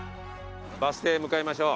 バス停へ向かいましょう。